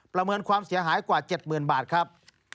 ประเมินความเสียหายกว่า๗๐๐๐บาทครับ